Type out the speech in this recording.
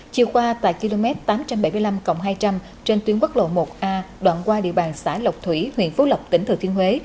chiều qua tại km tám trăm bảy mươi năm hai trăm linh trên tuyến quốc lộ một a đoạn qua địa bàn xã lộc thủy huyện phú lộc tỉnh thừa thiên huế